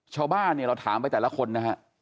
ชาวบ้านเนี่ยเราถามไปแต่ละคนนะฮะ